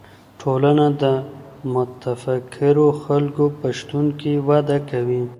ټولنه د متفکرو خلګو په شتون کي وده کوي.